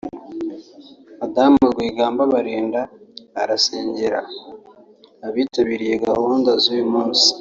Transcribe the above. Madamu Rwigamba Balinda arasengera abitabiriye gahunda z’uyu munsi